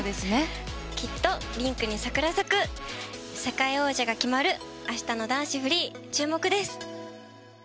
きっとリンクにサクラサク世界王者が決まるあしたの男子フリー注目です。